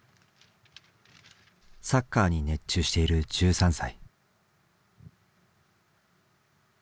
サッカーに熱中している１３歳。